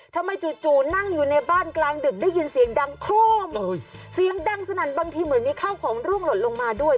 จู่นั่งอยู่ในบ้านกลางดึกได้ยินเสียงดังโครมเสียงดังสนั่นบางทีเหมือนมีข้าวของร่วงหล่นลงมาด้วย